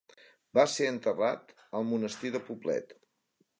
Va ser enterrat al Monestir de Poblet.